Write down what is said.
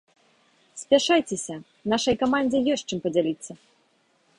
Спяшайцеся, нашай камандзе ёсць, чым падзяліцца!